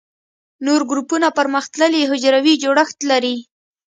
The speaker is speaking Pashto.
نور ګروپونه پرمختللي حجروي جوړښت لري.